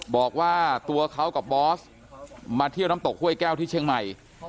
บอกว่าตัวเขากับบอสมาเที่ยวน้ำตกห้วยแก้วที่เชียงใหม่